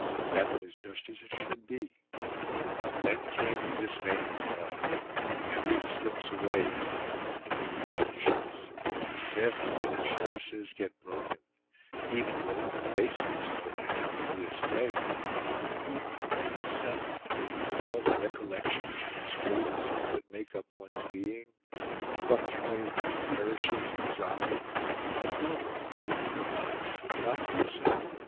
That was just as it should be; but then came the dismaying thought everything slips away, crumbles, vanishes; Sevres dinner services get broken; even golden basins go unaccountably astray; even one's self, with all the recollections and experiences that make up one's being, fluctuates, perishes, dissolves... But no! It could not, should not be so!